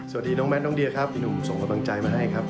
น้องแมทน้องเดียครับพี่หนุ่มส่งกำลังใจมาให้ครับ